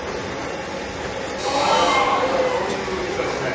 そういうミスはしない？